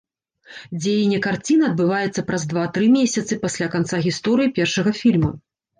Дзеянне карціны адбываецца праз два-тры месяцы пасля канца гісторыі першага фільма.